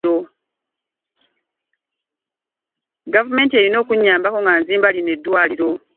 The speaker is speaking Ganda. Gavumenti erina okunnyambako nga nzimba lino eddwaliro.